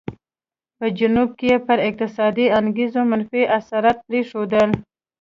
په جنوب کې یې پر اقتصادي انګېزو منفي اثرات پرېښودل.